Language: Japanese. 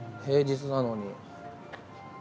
平日なのに。